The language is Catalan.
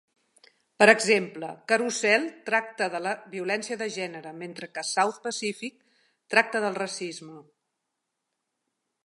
Per exemple, "Carousel" tracta de la violència de gènere, mentre que "South Pacific" tracta del racisme.